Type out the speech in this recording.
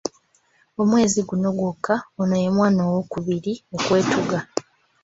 Omwezi guno gwokka, ono ye mwana owokubiri okwetuga.